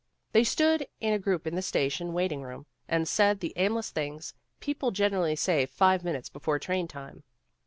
They stood in a group in the station, waiting room and said the aimless things people generally say five minutes before train time.